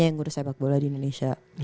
gue mau ngurus sepak bola di indonesia